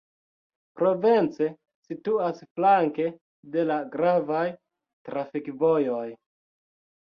Provence situas flanke de la gravaj trafikvojoj.